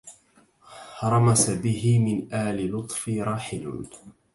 رمس به من آل لطفي راحل